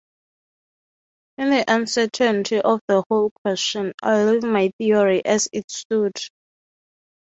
In the uncertainty of the whole question I leave my theory as it stood.